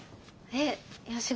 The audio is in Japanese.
えっ！？